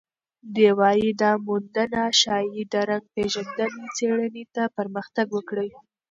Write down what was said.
دی وايي، دا موندنه ښايي د رنګ پېژندنې څېړنې ته پرمختګ ورکړي.